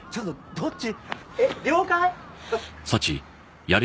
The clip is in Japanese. どっち？